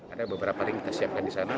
ada beberapa ring kita siapkan di sana